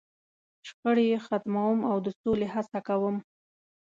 .شخړې یې ختموم، او د سولې هڅه کوم.